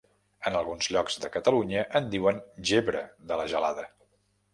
En alguns llocs de Catalunya, en diuen gebre de la gelada.